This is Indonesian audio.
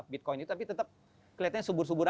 bitcoin itu tapi tetap kelihatannya subur subur